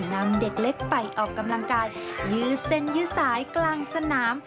นำเด็กเล็กไปออกกำลังกายยืดเส้นยืดสายกลางสนาม